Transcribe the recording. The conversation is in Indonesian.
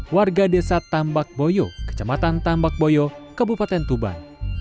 warga desa tambak boyo kecamatan tambak boyo kabupaten tuban